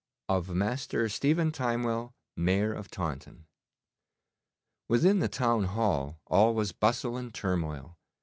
Of Master Stephen Timewell, Mayor of Taunton Within the town hall all was bustle and turmoil.